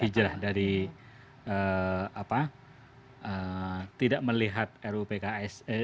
hijrah dari tidak melihat ru pks